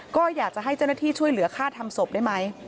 ก็อยากจะให้เจ้าหน้าที่ช่วยเหลือฆ่าทำศพได้ไหม